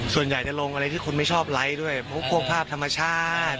ส่วนใหญ่จะลงอะไรที่คนไม่ชอบไลค์ด้วยพวกภาพธรรมชาติ